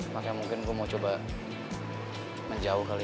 makanya mungkin gue mau coba menjauh kali